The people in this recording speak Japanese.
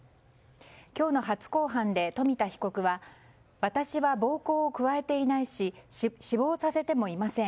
今日の初公判で冨田被告は私は暴行を加えていないし死亡させてもいません。